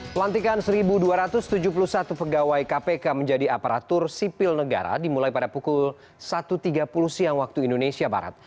pelantikan satu dua ratus tujuh puluh satu pegawai kpk menjadi aparatur sipil negara dimulai pada pukul satu tiga puluh siang waktu indonesia barat